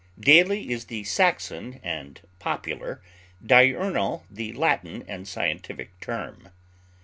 Daily is the Saxon and popular, diurnal the Latin and scientific term.